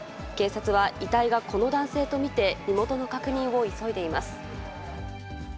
警察は遺体がこの男性と見て、身元の確認を急いでいます。